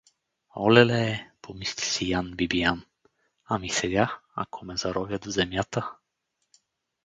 Олеле — помисли си Ян Бибиян, — ами сега, ако ме заровят в земята!